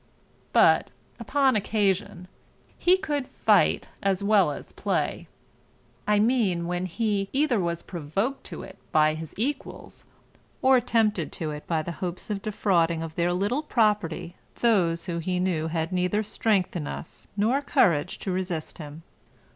But, upon occasion, he could fight as well as play: I mean when he either was provoked to it by his equals, or tempted to it by the hopes of defrauding of their little property those who he knew had neither strength enough nor courage to resist him.